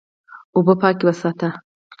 اوبه پاکې وساته.